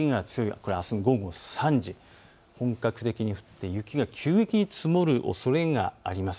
これがあすの午後３時、本格的に降って雪が急激に積もるおそれがあります。